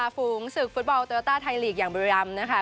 ฝูงศึกฟุตบอลโตโยต้าไทยลีกอย่างบริรัมนะคะ